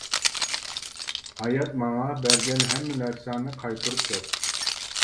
ھايات، ماڭا بەرگەن ھەممە نەرسەڭنى قايتۇرۇپ كەت.